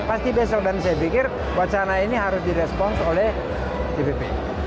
pasti besok dan saya pikir wacana ini harus direspons oleh dpp